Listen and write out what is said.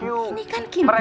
ini kan kimberly